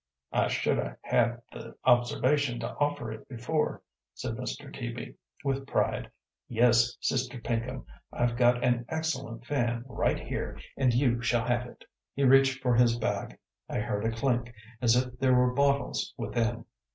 "I should ha' had the observation to offer it before," said Mr. Teaby, with pride. "Yes, Sister Pinkham, I've got an excellent fan right here, an' you shall have it." He reached for his bag; I heard a clink, as if there were bottles within.